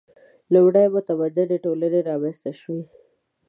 • لومړنۍ متمدنې ټولنې رامنځته شوې.